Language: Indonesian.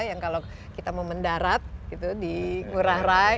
yang kalau kita memendarat di ngurah rai